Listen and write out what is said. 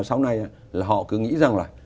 sau này là họ cứ nghĩ rằng là